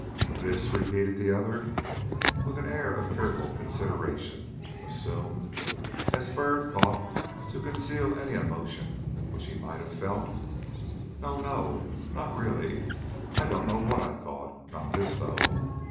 "This," repeated the other, with an air of careful consideration, assumed, as Byrd thought, to conceal any emotion which he might have felt; "no, no, not really. I I don't know what I thought. Not this though."